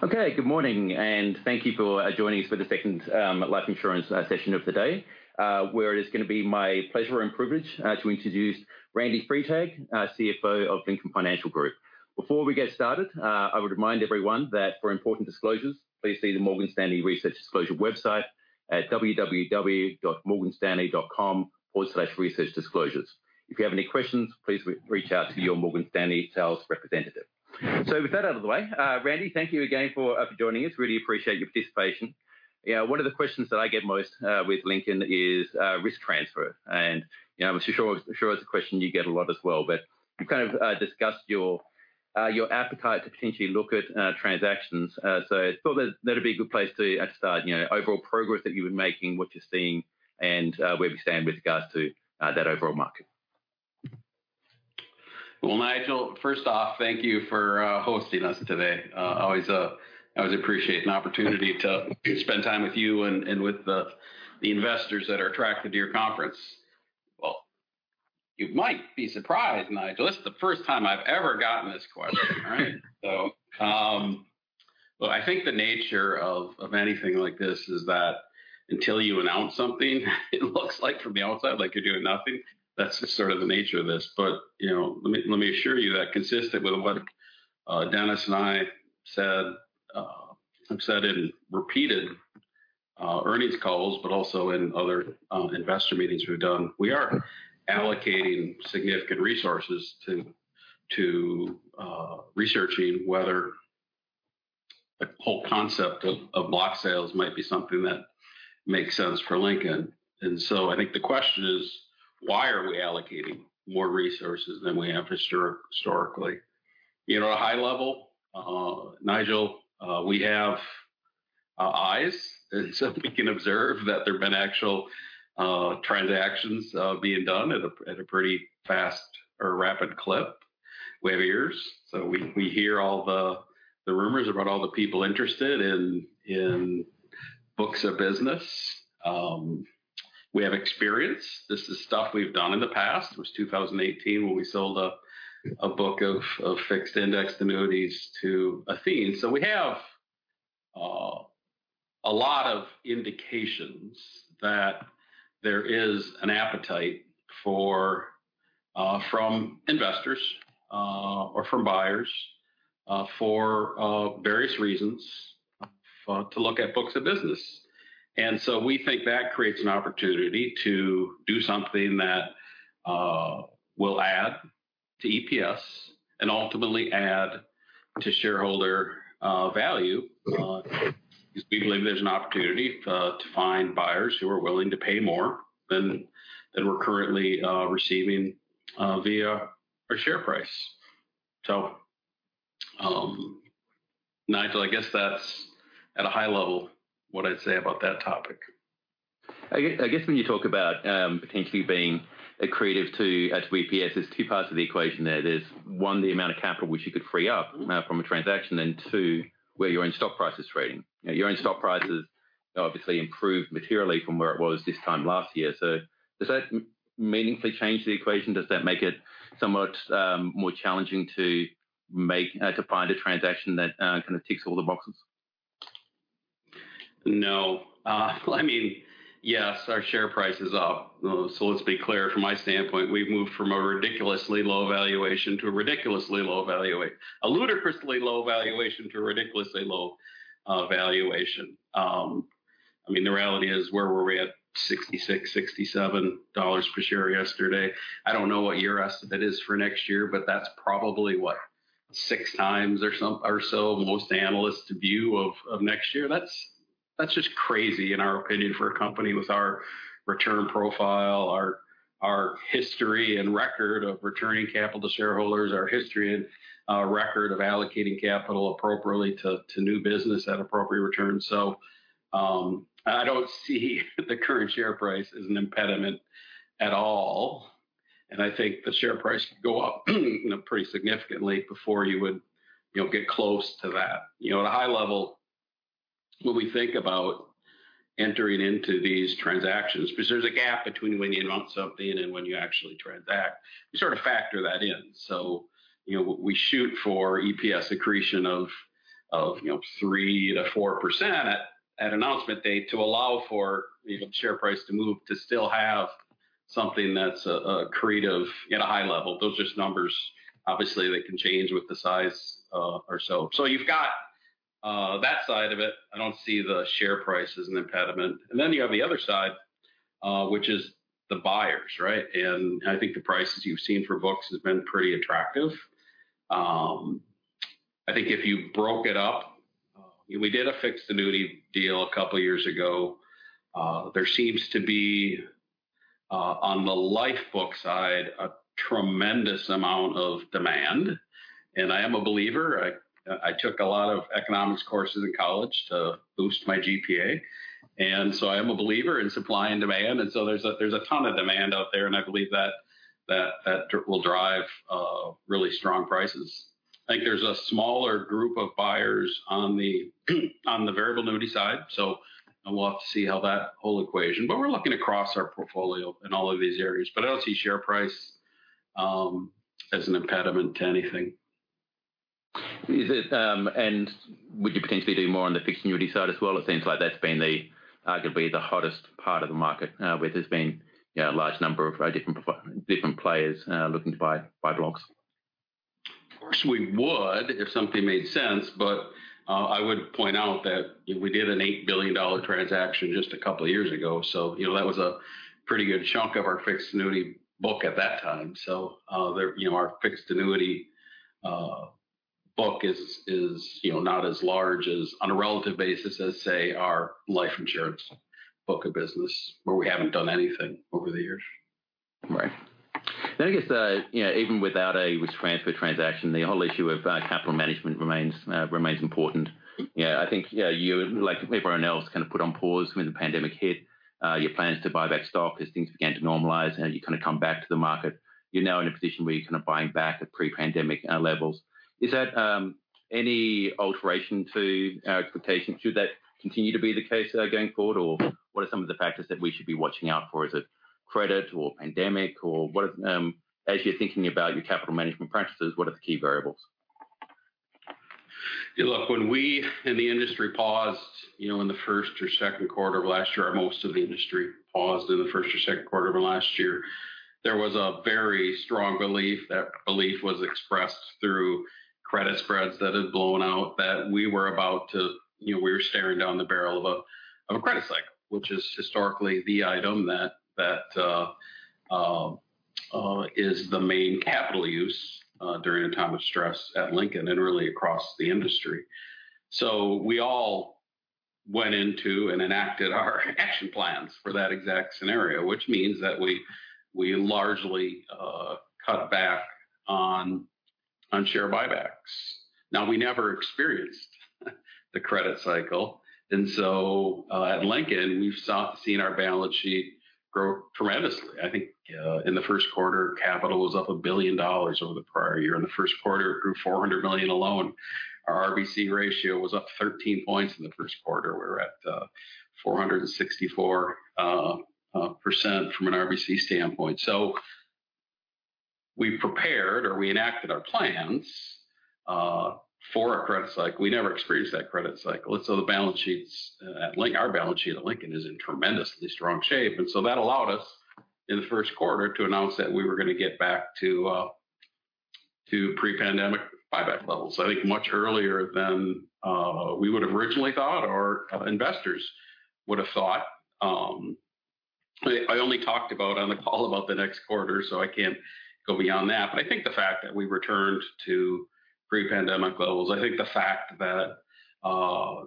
Good morning and thank you for joining us for the second life insurance session of the day, where it is going to be my pleasure and privilege to introduce Randy Freitag, CFO of Lincoln Financial Group. Before we get started, I would remind everyone that for important disclosures, please see the Morgan Stanley research disclosure website at morganstanley.com/researchdisclosures. If you have any questions, please reach out to your Morgan Stanley sales representative. With that out of the way, Randy, thank you again for joining us. Really appreciate your participation. One of the questions that I get most with Lincoln is risk transfer, and I'm sure it's a question you get a lot as well, but kind of discuss your appetite to potentially look at transactions. I thought that'd be a good place to start, overall progress that you've been making, what you're seeing, and where we stand with regards to that overall market. Well, Nigel, first off, thank you for hosting us today. I always appreciate an opportunity to spend time with you and with the investors that are attracted to your conference. Well, you might be surprised, Nigel. This is the first time I've ever gotten this question, all right? I think the nature of anything like this is that until you announce something, it looks like from the outside like you're doing nothing. That's just sort of the nature of this. Let me assure you that consistent with what Dennis and I have said in repeated earnings calls, but also in other investor meetings we've done, we are allocating significant resources to researching whether the whole concept of block sales might be something that makes sense for Lincoln. I think the question is: Why are we allocating more resources than we have historically? At a high level, Nigel, we have eyes, and so we can observe that there have been actual transactions being done at a pretty fast or rapid clip. We have ears, so we hear all the rumors about all the people interested in books of business. We have experience. This is stuff we've done in the past. It was 2018 when we sold a book of fixed indexed annuities to Athene. We have a lot of indications that there is an appetite from investors or from buyers for various reasons to look at books of business. We think that creates an opportunity to do something that will add to EPS and ultimately add to shareholder value because we believe there's an opportunity to find buyers who are willing to pay more than we're currently receiving via our share price. Nigel, I guess that's at a high level what I'd say about that topic. I guess when you talk about potentially being accretive to EPS, there's two parts of the equation there. There's one, the amount of capital which you could free up from a transaction, and two, where your own stock price is trading. Your own stock price has obviously improved materially from where it was this time last year. Does that meaningfully change the equation? Does that make it somewhat more challenging to find a transaction that kind of ticks all the boxes? No. Well, I mean, yes, our share price is up. Let's be clear, from my standpoint, we've moved from a ridiculously low valuation to a ridiculously low valuation. A ludicrously low valuation to a ridiculously low valuation. I mean, the reality is where were we at $66, $67 per share yesterday? I don't know what your estimate is for next year, but that's probably, what, six times or so most analysts view of next year. That's just crazy in our opinion, for a company with our return profile, our history and record of returning capital to shareholders, our history and record of allocating capital appropriately to new business at appropriate returns. I don't see the current share price as an impediment at all. I think the share price could go up pretty significantly before you would get close to that. At a high level, when we think about entering into these transactions, because there's a gap between when you announce something and when you actually transact, you sort of factor that in. We shoot for EPS accretion of 3%-4% at announcement date to allow for share price to move to still have something that's accretive at a high level. Those are just numbers. Obviously, they can change with the size or so. You've got that side of it. I don't see the share price as an impediment. Then you have the other side, which is the buyers, right? I think the prices you've seen for books has been pretty attractive. I think if you broke it up, we did a fixed annuity deal a couple of years ago. There seems to be on the life book side, a tremendous amount of demand, and I am a believer. I took a lot of economics courses in college to boost my GPA, and so I am a believer in supply and demand, and so there's a ton of demand out there, and I believe that will drive really strong prices. I think there's a smaller group of buyers on the variable annuity side, so we'll have to see how that whole equation. We're looking across our portfolio in all of these areas, but I don't see share price as an impediment to anything. Would you potentially do more on the fixed annuity side as well? It seems like that's been arguably the hottest part of the market, where there's been a large number of different players looking to buy blocks. Of course, we would if something made sense. I would point out that we did an $8 billion transaction just a couple of years ago, so that was a pretty good chunk of our fixed annuity book at that time. Our fixed annuity book is not as large on a relative basis as, say, our life insurance book of business, where we haven't done anything over the years. Right. I guess, even without a risk transfer transaction, the whole issue of capital management remains important. I think you, like everyone else, kind of put on pause when the pandemic hit, your plans to buy back stock as things began to normalize and you come back to the market. You're now in a position where you're buying back at pre-pandemic levels. Is that any alteration to expectations? Should that continue to be the case going forward? What are some of the factors that we should be watching out for? Is it credit or pandemic or as you're thinking about your capital management practices, what are the key variables? Look, when we in the industry paused in the first or second quarter of last year, most of the industry paused in the first or second quarter of last year, there was a very strong belief. That belief was expressed through credit spreads that had blown out that we were staring down the barrel of a credit cycle, which is historically the item that is the main capital use during a time of stress at Lincoln and really across the industry. We all went into and enacted our action plans for that exact scenario. Which means that we largely cut back on share buybacks. Now, we never experienced the credit cycle. At Lincoln, we've seen our balance sheet grow tremendously. I think in the first quarter, capital was up $1 billion over the prior year. In the first quarter, it grew $400 million alone. Our RBC ratio was up 13 points in the first quarter. We were at 464% from an RBC standpoint. We prepared or we enacted our plans for a credit cycle. We never experienced that credit cycle, our balance sheet at Lincoln is in tremendously strong shape. That allowed us in the first quarter to announce that we were going to get back to pre-pandemic buyback levels, I think much earlier than we would've originally thought or investors would've thought. I only talked about on the call about the next quarter, so I can't go beyond that. I think the fact that we returned to pre-pandemic levels, I think the fact that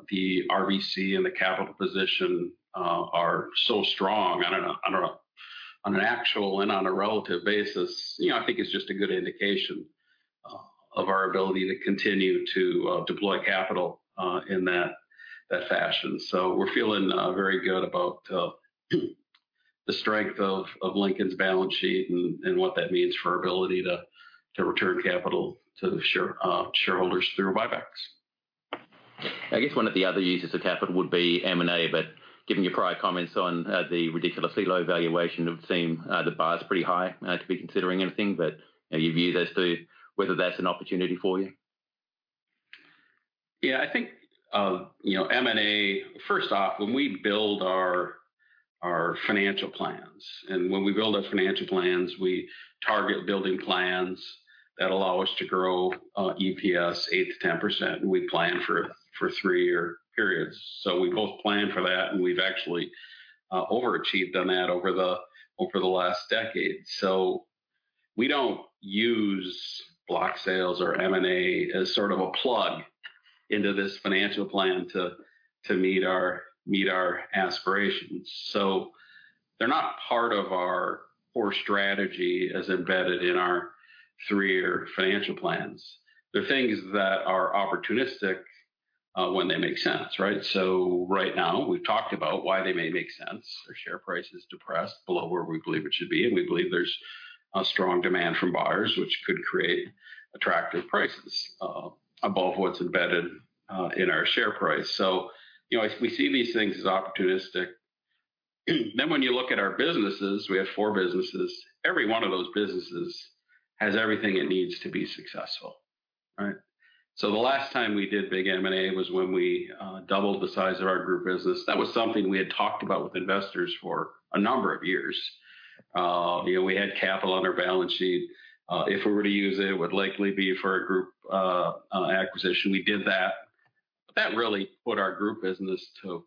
the RBC and the capital position are so strong on an actual and on a relative basis, I think is just a good indication of our ability to continue to deploy capital in that fashion. We're feeling very good about the strength of Lincoln's balance sheet and what that means for our ability to return capital to the shareholders through buybacks. I guess one of the other uses of capital would be M&A, given your prior comments on the ridiculously low valuation, it would seem the bar's pretty high to be considering anything. Your view as to whether that's an opportunity for you? I think, M&A, first off, when we build our financial plans, we target building plans that allow us to grow EPS 8% to 10%, and we plan for three-year periods. We both plan for that and we've actually overachieved on that over the last decade. We don't use block sales or M&A as sort of a plug into this financial plan to meet our aspirations. They're not part of our core strategy as embedded in our three-year financial plans. They're things that are opportunistic when they make sense, right? Right now we've talked about why they may make sense. Our share price is depressed below where we believe it should be, and we believe there's a strong demand from buyers, which could create attractive prices above what's embedded in our share price. We see these things as opportunistic. When you look at our businesses, we have four businesses. Every one of those businesses has everything it needs to be successful. Right? The last time we did big M&A was when we doubled the size of our group business. That was something we had talked about with investors for a number of years. We had capital on our balance sheet. If we were to use it would likely be for a group acquisition. We did that. That really put our group business to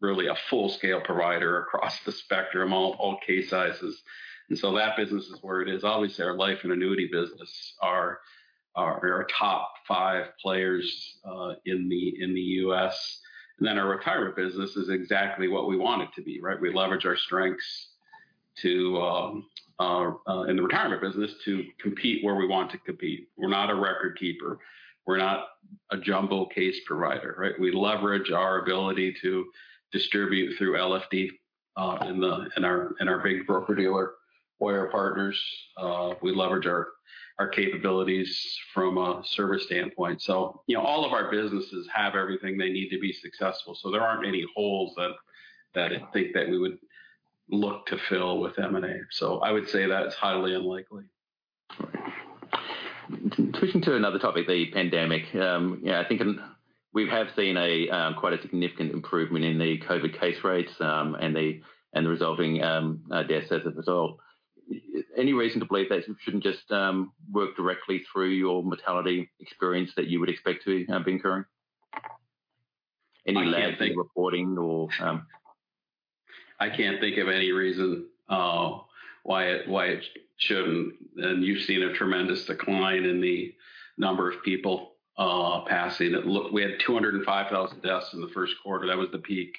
really a full-scale provider across the spectrum, all case sizes. That business is where it is. Obviously, our life and annuity business are our top five players in the U.S. Our retirement business is exactly what we want it to be, right? We leverage our strengths in the retirement business to compete where we want to compete. We're not a record keeper. We're not a jumbo case provider, right? We leverage our ability to distribute through LFD, in our big broker-dealer or our partners. We leverage our capabilities from a service standpoint. All of our businesses have everything they need to be successful, so there aren't any holes that. Yeah I think that we would look to fill with M&A. I would say that is highly unlikely. Right. Switching to another topic, the pandemic. Yeah, I think we have seen quite a significant improvement in the COVID case rates, and the resulting death statistics as well. Any reason to believe they shouldn't just work directly through your mortality experience that you would expect to be incurring? Any lag- I can't think in reporting or? I can't think of any reason why it shouldn't. You've seen a tremendous decline in the number of people passing. We had 205,000 deaths in the first quarter. That was the peak.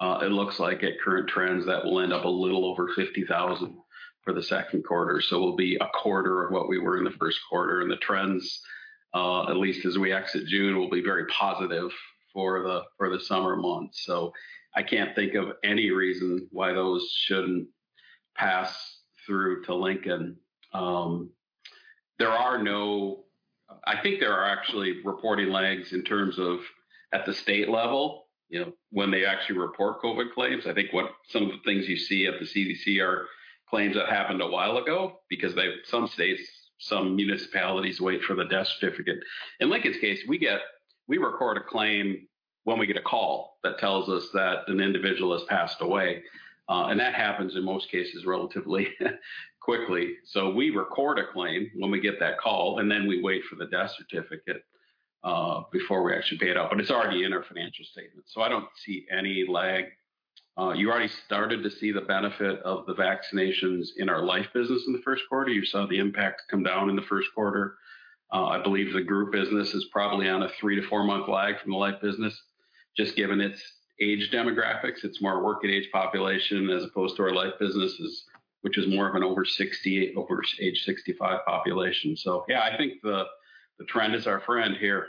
It looks like at current trends, that we'll end up a little over 50,000 for the second quarter. We'll be a quarter of what we were in the first quarter, and the trends, at least as we exit June, will be very positive for the summer months. I can't think of any reason why those shouldn't pass through to Lincoln. I think there are actually reporting lags in terms of at the state level, when they actually report COVID claims. I think what some of the things you see at the CDC are claims that happened a while ago because some states, some municipalities wait for the death certificate. In Lincoln's case, we record a claim when we get a call that tells us that an individual has passed away. That happens in most cases relatively quickly. We record a claim when we get that call, then we wait for the death certificate, before we actually pay it out. It's already in our financial statement, I don't see any lag. You already started to see the benefit of the vaccinations in our life business in the first quarter. You saw the impact come down in the first quarter. I believe the group business is probably on a three- to four-month lag from the life business, just given its age demographics. It's more working-age population as opposed to our life businesses, which is more of an over age 65 population. Yeah, I think the trend is our friend here.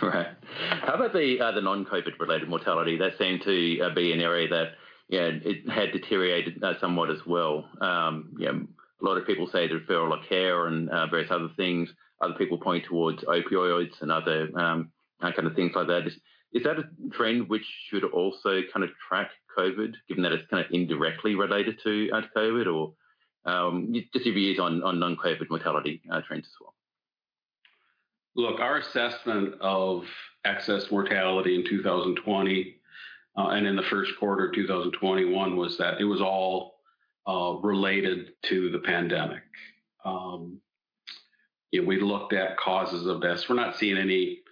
Right. How about the non-COVID related mortality? That seemed to be an area that had deteriorated somewhat as well. A lot of people say the referral of care and various other things. Other people point towards opioids and other kind of things like that. Is that a trend which should also kind of track COVID, given that it's kind of indirectly related to COVID, or just your views on non-COVID mortality trends as well? Look, our assessment of excess mortality in 2020, and in the first quarter of 2021, was that it was all related to the pandemic. We looked at causes of deaths. We're not seeing any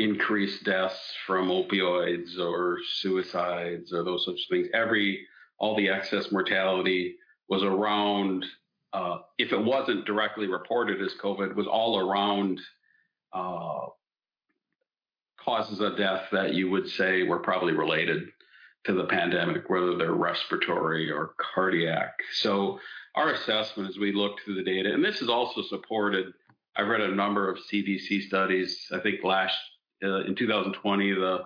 increased deaths from opioids or suicides or those sorts of things. All the excess mortality was around, if it wasn't directly reported as COVID, it was all around causes of death that you would say were probably related to the pandemic, whether they're respiratory or cardiac. Our assessment as we look through the data, this is also supported I've read a number of CDC studies. I think in 2020, the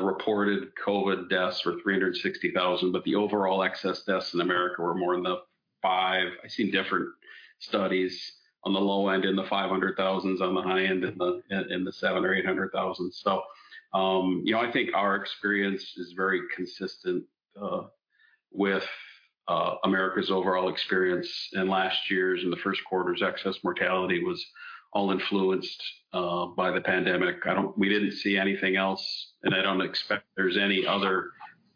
reported COVID deaths were 360,000, the overall excess deaths in America were more in the five I've seen different studies on the low end in the 500,000s, on the high end in the seven or 800,000. I think our experience is very consistent with America's overall experience in last year's and the first quarter's excess mortality was all influenced by the pandemic. We didn't see anything else, I don't expect there's any other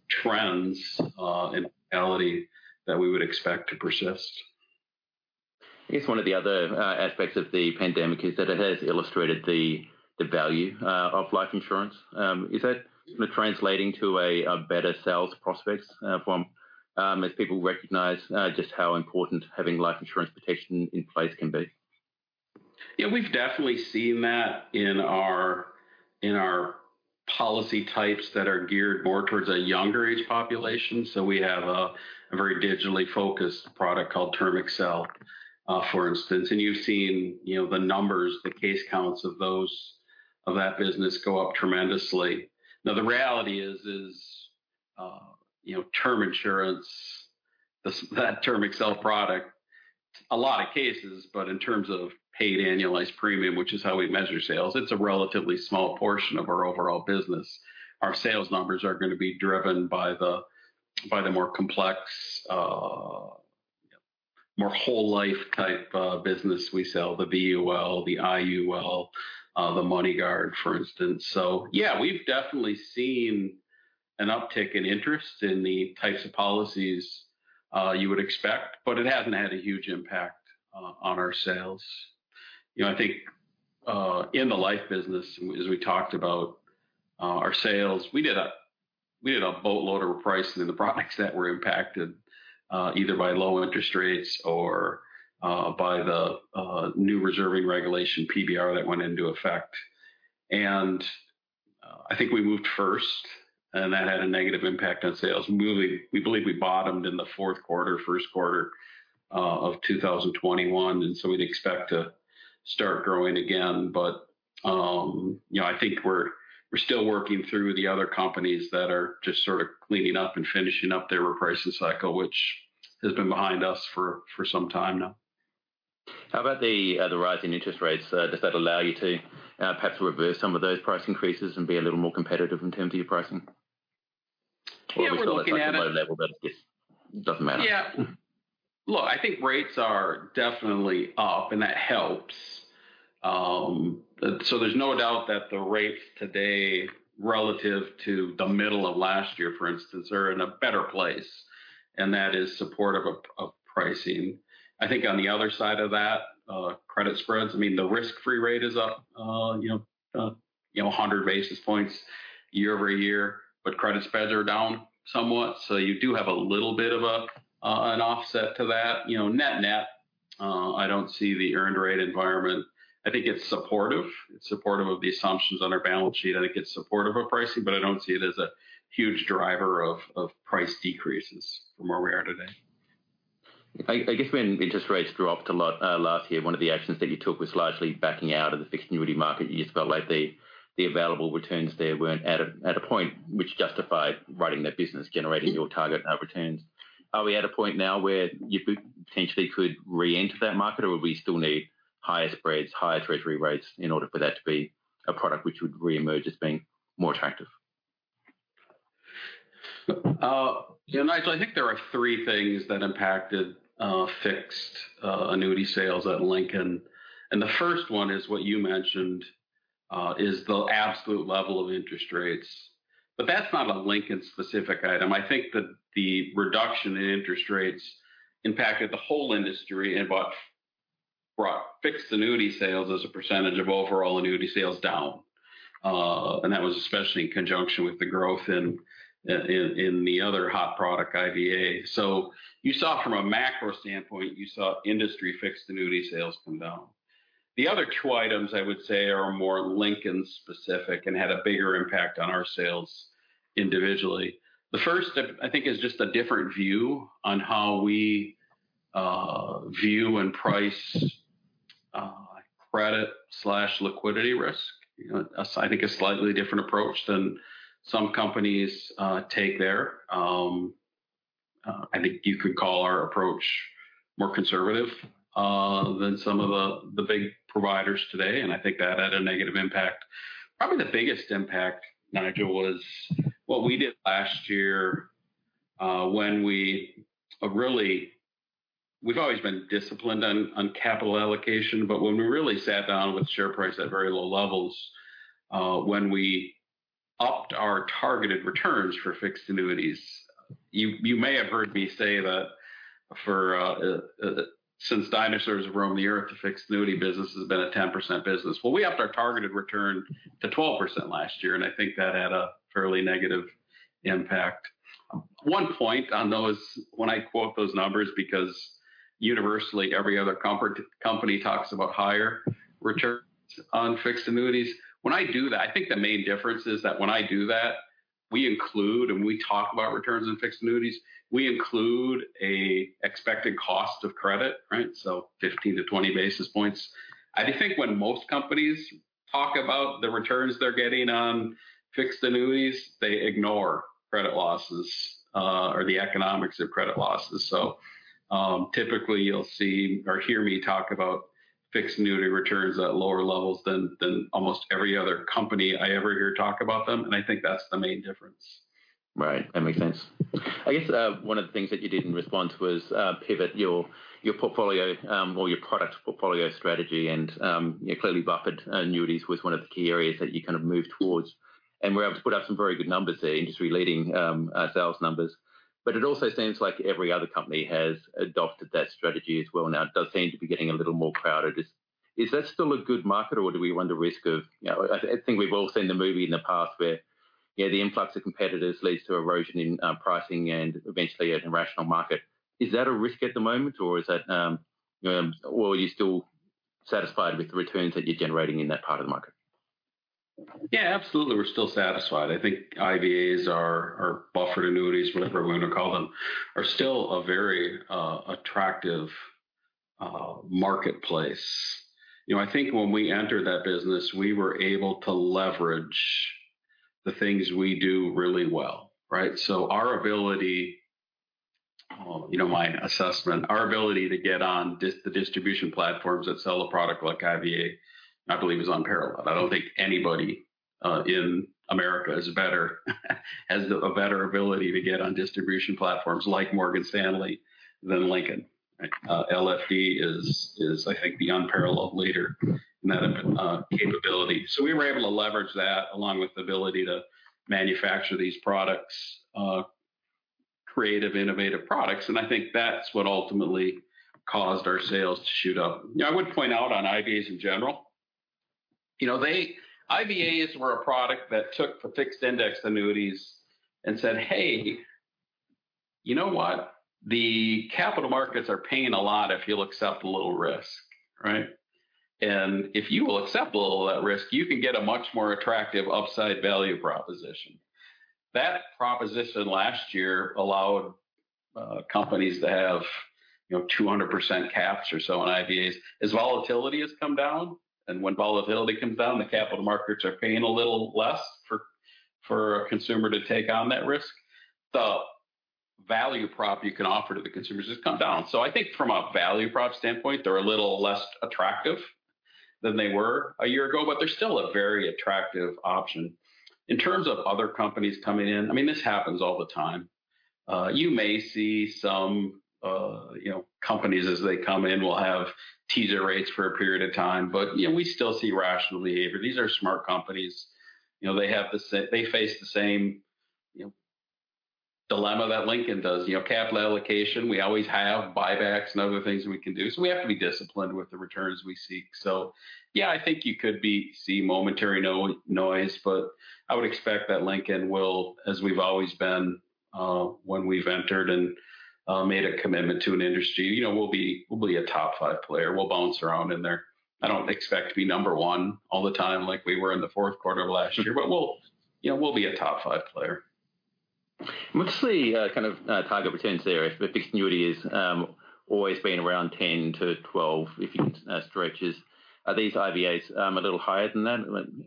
trends in mortality that we would expect to persist. I guess one of the other aspects of the pandemic is that it has illustrated the value of life insurance. Is that translating to a better sales prospects as people recognize just how important having life insurance protection in place can be? Yeah, we've definitely seen that in our policy types that are geared more towards a younger age population. We have a very digitally focused product called TermAccel, for instance. You've seen the numbers, the case counts of that business go up tremendously. Now, the reality is, Term insurance, that TermAccel product, a lot of cases, but in terms of paid annualized premium, which is how we measure sales, it's a relatively small portion of our overall business. Our sales numbers are going to be driven by the more complex, more whole life type of business we sell, the VUL, the IUL, the MoneyGuard, for instance. Yeah, we've definitely seen an uptick in interest in the types of policies you would expect, but it hasn't had a huge impact on our sales. I think, in the life business, as we talked about our sales, we did a boatload of repricing in the products that were impacted, either by low interest rates or by the new reserving regulation, PBR, that went into effect. I think we moved first, and that had a negative impact on sales. We believe we bottomed in the fourth quarter, first quarter of 2021. We'd expect to start growing again. I think we're still working through the other companies that are just sort of cleaning up and finishing up their repricing cycle, which has been behind us for some time now. How about the rise in interest rates? Does that allow you to perhaps reverse some of those price increases and be a little more competitive in terms of your pricing? Yeah, we're looking at it. Have you still got such a low level that it doesn't matter? Yeah. Look, I think rates are definitely up, and that helps. There's no doubt that the rates today, relative to the middle of last year, for instance, are in a better place, and that is supportive of pricing. I think on the other side of that, credit spreads, I mean, the risk-free rate is up 100 basis points year-over-year, credit spreads are down somewhat. You do have a little bit of an offset to that. Net net, I don't see the earned rate environment. I think it's supportive. It's supportive of the assumptions on our balance sheet. I think it's supportive of pricing, I don't see it as a huge driver of price decreases from where we are today. I guess when interest rates dropped a lot last year, one of the actions that you took was largely backing out of the fixed annuity market. You just felt like the available returns there weren't at a point which justified running that business, generating your target returns. Are we at a point now where you potentially could reenter that market, would we still need higher spreads, higher Treasury rates in order for that to be a product which would reemerge as being more attractive? Nigel, I think there are three things that impacted fixed annuity sales at Lincoln. The first one is what you mentioned is the absolute level of interest rates. That's not a Lincoln specific item. I think that the reduction in interest rates impacted the whole industry and brought fixed annuity sales as a percentage of overall annuity sales down. That was especially in conjunction with the growth in the other hot product, IVA. You saw from a macro standpoint, you saw industry fixed annuity sales come down. The other two items, I would say, are more Lincoln specific and had a bigger impact on our sales individually. The first step, I think is just a different view on how we view and price credit/liquidity risk. I think a slightly different approach than some companies take there. I think you could call our approach more conservative than some of the big providers today, I think that had a negative impact. Probably the biggest impact, Nigel, was what we did last year, when we've always been disciplined on capital allocation, but when we really sat down with share price at very low levels, when we upped our targeted returns for fixed annuities. You may have heard me say that since dinosaurs have roamed the Earth, the fixed annuity business has been a 10% business. We upped our targeted return to 12% last year, I think that had a fairly negative impact. One point on those, when I quote those numbers, because universally, every other company talks about higher returns on fixed annuities. When I do that, I think the main difference is that when I do that, we include and we talk about returns on fixed annuities. We include an expected cost of credit, right? 15 to 20 basis points. I think when most companies talk about the returns they're getting on fixed annuities, they ignore credit losses, or the economics of credit losses. Typically you'll see or hear me talk about fixed annuity returns at lower levels than almost every other company I ever hear talk about them, I think that's the main difference. Right. That makes sense. I guess one of the things that you did in response was pivot your portfolio or your product portfolio strategy and, clearly buffered annuities was one of the key areas that you kind of moved towards. Were able to put up some very good numbers there, industry-leading sales numbers. It also seems like every other company has adopted that strategy as well now. It does seem to be getting a little more crowded. Is that still a good market, or do we run the risk of I think we've all seen the movie in the past where, yeah, the influx of competitors leads to erosion in pricing and eventually an irrational market. Is that a risk at the moment, or are you still satisfied with the returns that you're generating in that part of the market? Absolutely. We're still satisfied. I think IVAs or buffered annuities, whatever we want to call them, are still a very attractive marketplace. I think when we entered that business, we were able to leverage the things we do really well, right? Our ability, my assessment, our ability to get on the distribution platforms that sell a product like IVA, I believe, is unparalleled. I don't think anybody in America has a better ability to get on distribution platforms like Morgan Stanley than Lincoln. LFD is, I think, the unparalleled leader in that capability. We were able to leverage that along with the ability to manufacture these products, creative, innovative products, and I think that's what ultimately caused our sales to shoot up. I would point out on IVAs in general, IVAs were a product that took fixed index annuities and said, "Hey, you know what? The capital markets are paying a lot if you'll accept a little risk," right? "And if you will accept a little of that risk, you can get a much more attractive upside value proposition." That proposition last year allowed companies that have 200% caps or so on IVAs. As volatility has come down, and when volatility comes down, the capital markets are paying a little less for a consumer to take on that risk. The value prop you can offer to the consumers has come down. I think from a value prop standpoint, they're a little less attractive than they were a year ago, but they're still a very attractive option. In terms of other companies coming in, this happens all the time. You may see some companies as they come in will have teaser rates for a period of time, but we still see rational behavior. These are smart companies. They face the same dilemma that Lincoln does. Capital allocation, we always have buybacks and other things that we can do. We have to be disciplined with the returns we seek. I think you could see momentary noise, but I would expect that Lincoln will, as we've always been when we've entered and made a commitment to an industry, we'll be a top five player. We'll bounce around in there. I don't expect to be number one all the time like we were in the fourth quarter of last year, but we'll be a top five player. Mostly kind of target returns there, fixed annuities has always been around 10 to 12, if you can stretch it. Are these IVAs a little higher than that?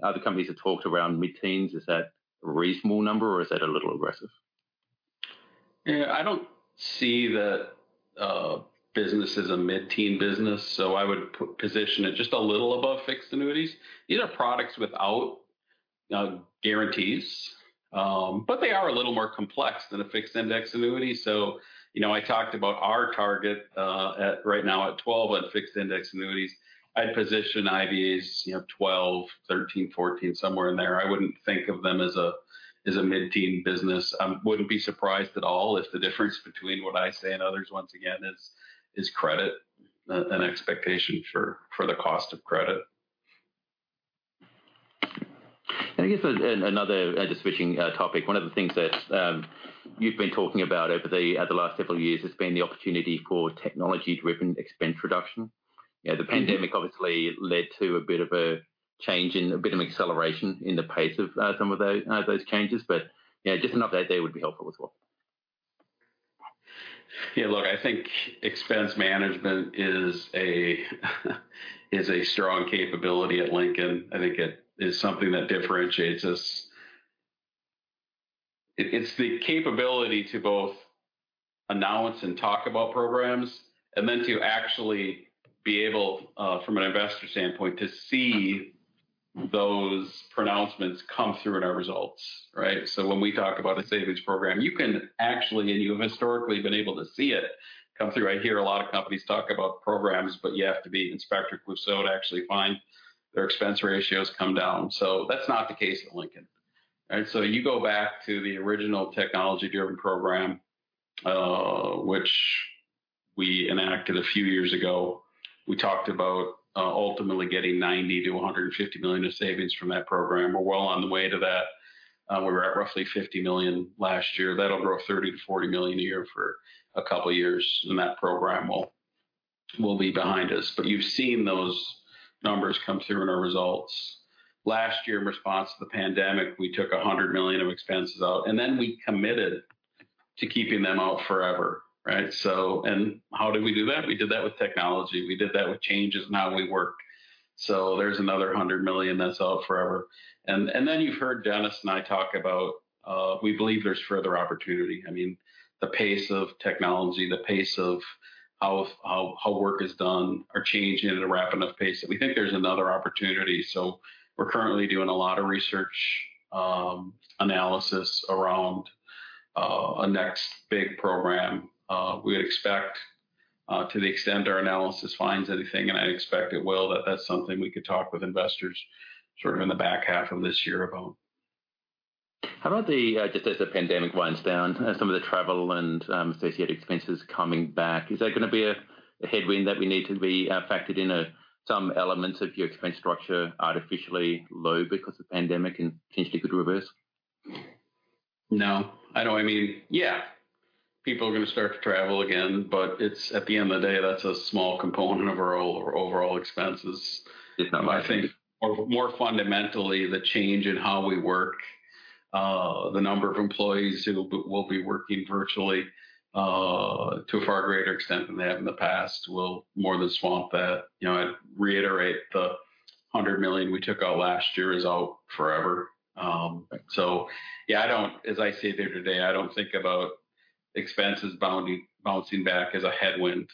Other companies have talked around mid-teens. Is that a reasonable number, or is that a little aggressive? I don't see that business as a mid-teen business, so I would position it just a little above fixed annuities. These are products without guarantees. They are a little more complex than a fixed index annuity. I talked about our target right now at 12 on fixed index annuities. I'd position IVAs, 12, 13, 14, somewhere in there. I wouldn't think of them as a mid-teen business. I wouldn't be surprised at all if the difference between what I say and others, once again, is credit and expectation for the cost of credit. I guess another, just switching topic, one of the things that you've been talking about over the last several years has been the opportunity for technology-driven expense reduction. The pandemic obviously led to a bit of a change and a bit of acceleration in the pace of some of those changes. Just an update there would be helpful as well. I think expense management is a strong capability at Lincoln. I think it is something that differentiates us. It's the capability to both announce and talk about programs and then to actually be able, from an investor standpoint, to see those pronouncements come through in our results, right? So when we talk about a savings program, you can actually, and you have historically been able to see it come through. I hear a lot of companies talk about programs, but you have to be Inspector Clouseau to actually find their expense ratios come down. That's not the case with Lincoln. So you go back to the original technology-driven program, which we enacted a few years ago. We talked about ultimately getting $90 million-$150 million of savings from that program. We're well on the way to that. We were at roughly $50 million last year. That'll grow $30 million-$40 million a year for a couple of years, and that program will be behind us. You've seen those numbers come through in our results. Last year, in response to the pandemic, we took $100 million of expenses out, then we committed to keeping them out forever, right? How did we do that? We did that with technology. We did that with changes in how we work. There's another $100 million that's out forever. You've heard Dennis and I talk about we believe there's further opportunity. The pace of technology, the pace of how work is done are changing at a rapid enough pace that we think there's another opportunity. We're currently doing a lot of research analysis around a next big program. We'd expect, to the extent our analysis finds anything, and I'd expect it will, that that's something we could talk with investors sort of in the back half of this year about. How about just as the pandemic winds down, some of the travel and associated expenses coming back, is that going to be a headwind that we need to be factored into some elements of your expense structure artificially low because the pandemic potentially could reverse? No. I mean, yeah. People are going to start to travel again, at the end of the day, that's a small component of our overall expenses. Yeah. I think more fundamentally, the change in how we work, the number of employees who will be working virtually, to a far greater extent than they have in the past, will more than swamp that. I'd reiterate the $100 million we took out last year is out forever. Yeah, as I sit here today, I don't think about expenses bouncing back as a headwind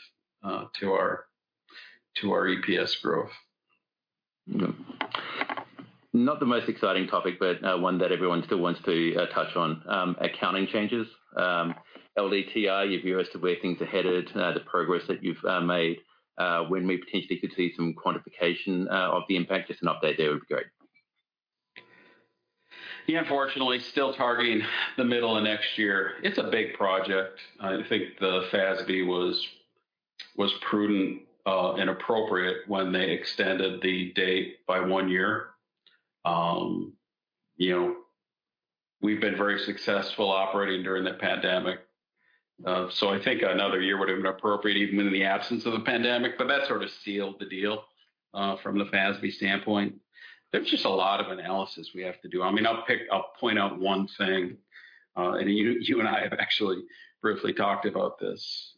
to our EPS growth. Okay. Not the most exciting topic, but one that everyone still wants to touch on. Accounting changes. LDTI, your views to where things are headed, the progress that you've made, when we potentially could see some quantification of the impact. Just an update there would be great. Yeah. Unfortunately, still targeting the middle of next year. It's a big project. I think the FASB was prudent and appropriate when they extended the date by one year. We've been very successful operating during the pandemic. I think another year would've been appropriate even in the absence of the pandemic, but that sort of sealed the deal. From the FASB standpoint, there's just a lot of analysis we have to do. I'll point out one thing, and you and I have actually briefly talked about this.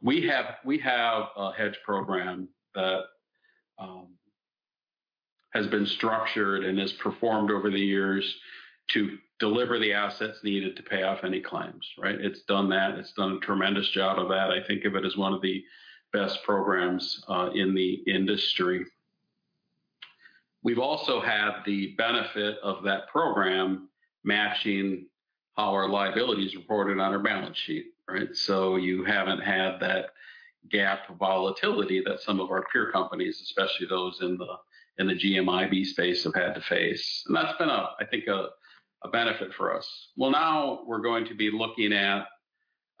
We have a hedge program that has been structured and has performed over the years to deliver the assets needed to pay off any claims. It's done that. It's done a tremendous job of that. I think of it as one of the best programs in the industry. We've also had the benefit of that program matching our liabilities reported on our balance sheet. You haven't had that GAAP volatility that some of our peer companies, especially those in the GMIB space, have had to face. That's been, I think, a benefit for us. Well, now we're going to be looking at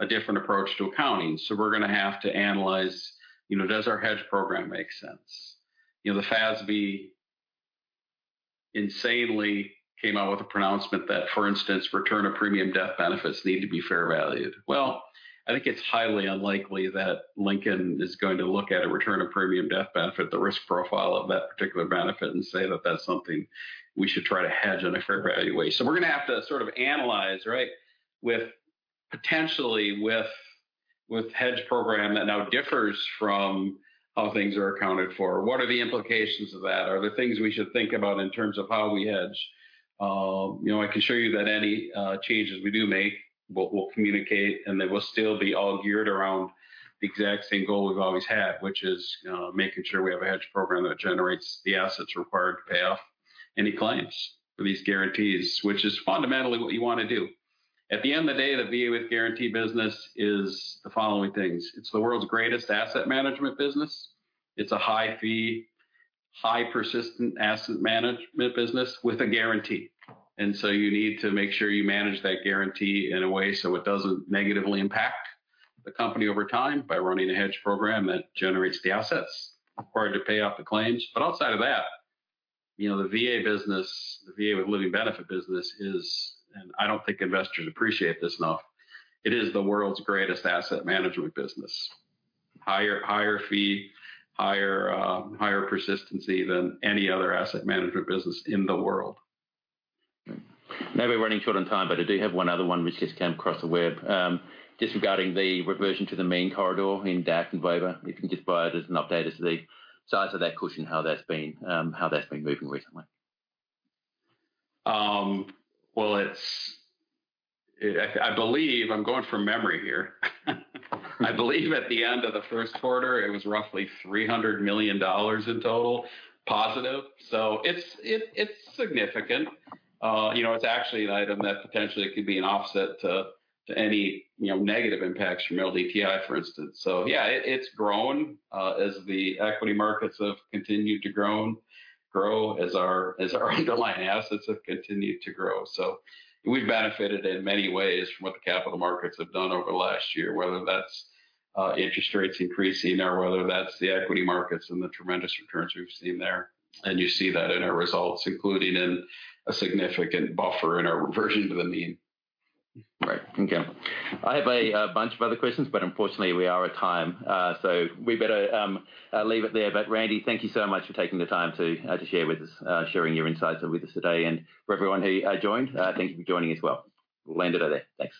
a different approach to accounting. We're going to have to analyze, does our hedge program make sense? The FASB insanely came out with a pronouncement that, for instance, return of premium death benefits need to be fair valued. Well, I think it's highly unlikely that Lincoln is going to look at a return of premium death benefit, the risk profile of that particular benefit, and say that that's something we should try to hedge in a fair valuation. We're going to have to sort of analyze, potentially with hedge program that now differs from how things are accounted for. What are the implications of that? Are there things we should think about in terms of how we hedge? I can show you that any changes we do make, we'll communicate, and they will still be all geared around the exact same goal we've always had, which is making sure we have a hedge program that generates the assets required to pay off any claims for these guarantees. Which is fundamentally what you want to do. At the end of the day, the VA with guarantee business is the following things: It's the world's greatest asset management business. It's a high fee, high persistent asset management business with a guarantee. You need to make sure you manage that guarantee in a way so it doesn't negatively impact the company over time by running a hedge program that generates the assets required to pay off the claims. Outside of that, the VA business, the VA with living benefit business is, and I don't think investors appreciate this enough, it is the world's greatest asset management business. Higher fee, higher persistency than any other asset management business in the world. Know we're running short on time, but I do have one other one which just came across the web. Just regarding the reversion to the mean corridor in DAC and VOBA, if you can just provide us an update as to the size of that cushion, how that's been moving recently. I believe, I'm going from memory here I believe at the end of the first quarter it was roughly $300 million in total positive. It's significant. It's actually an item that potentially could be an offset to any negative impacts from LDTI, for instance. Yeah, it's grown as the equity markets have continued to grow as our underlying assets have continued to grow. We've benefited in many ways from what the capital markets have done over the last year, whether that's interest rates increasing or whether that's the equity markets and the tremendous returns we've seen there. You see that in our results, including in a significant buffer in our reversion to the mean. Right. Okay. I have a bunch of other questions, unfortunately we are at time. We better leave it there. Randy, thank you so much for taking the time to share your insights with us today. For everyone who joined, thank you for joining as well. We'll end it there. Thanks.